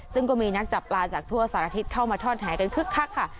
ซึ่งก็มีนักจับปลาจากทั่วสารทิศเข้ามาทอดแหกันคึกคักค่ะ